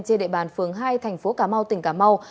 trên địa bàn phường hai thành phố cà mau tỉnh cà mau